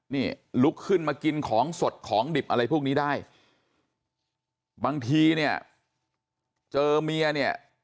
นี่ลุกขึ้นมากินของสดของดิบอะไรพวกนี้ได้บางทีเนี่ยเจอเมียเนี่ย